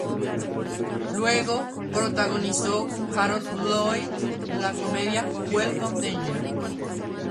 Luego, protagonizó con Harold Lloyd la comedia "Welcome Danger".